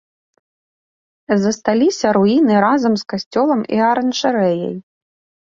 Засталіся руіны разам з касцёлам і аранжарэяй.